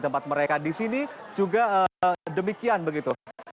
tempat mereka di sini juga demikian begitu